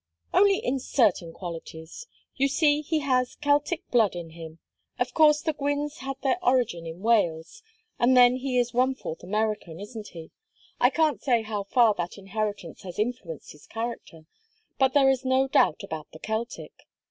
"Only in certain qualities. You see he has Celtic blood in him: of course the Gwynnes had their origin in Wales; and then he is one fourth American, isn't he? I can't say how far that inheritance has influenced his character, but there is no doubt about the Celtic.